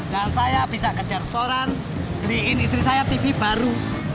dan saya bisa kejar restoran beliin istri saya tv baru